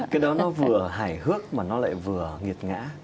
cái đó nó vừa hài hước mà nó lại vừa nghiệt ngã